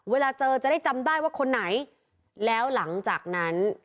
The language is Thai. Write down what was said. เวลาเจอจะได้จำได้ว่าคนไหนแล้วหลังจากนั้น